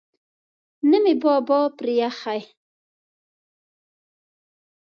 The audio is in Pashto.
نه مې بابا پریښی.